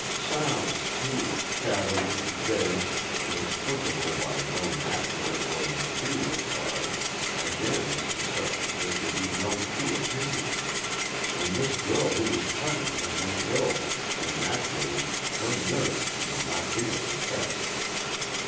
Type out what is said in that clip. Sounds, too, shadowy, vague, and explicable by no natural or material cause again as to such there could be no two opinions. And this girl who was coming had been ill, and naturally her nerves would not be at their best.